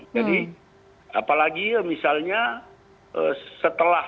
jadi apalagi misalnya setelah